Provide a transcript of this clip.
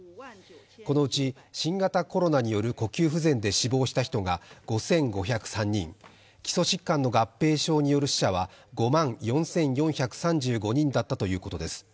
このうち、新型コロナによる呼吸不全で死亡した人が５５０３人、基礎疾患の合併症による死者は５万４４３５人だったということです。